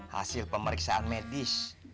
hasil pemeriksaan medis